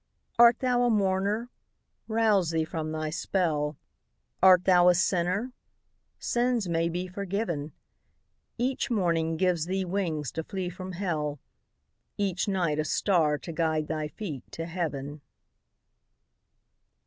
Art thou a mourner? Rouse thee from thy spell ; Art thou a sinner? Sins may be forgiven ; Each morning gives thee wings to flee from hell, Each night a star to guide thy feet to heaven.